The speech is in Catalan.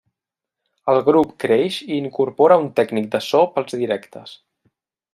El grup creix i incorpora un tècnic de so pels directes.